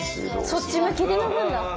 そっち向きで読むんだ。